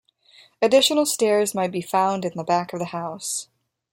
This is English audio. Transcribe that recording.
Additional stairs might be found on back of the house.